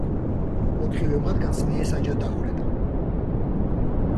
ოთხივე მათგანს მიესაჯა დახვრეტა.